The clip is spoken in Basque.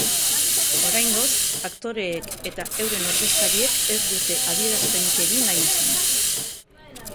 Oraingoz, aktoreek eta euren ordezkariek ez dute adierazpenik egin nahi izan.